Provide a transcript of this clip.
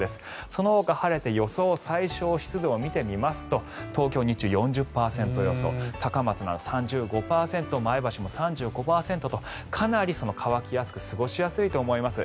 そのほか晴れて予想最小湿度を見てみますと東京、日中は４０％予想高松３５％、前橋も３５％とかなり乾きやすく過ごしやすいと思います。